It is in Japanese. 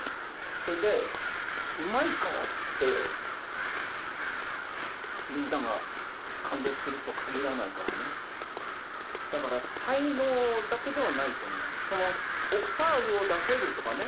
そいでうまいからってみんなが感動すると限らないからねだから才能だけではないと思うのそのオクターブを出せるとかね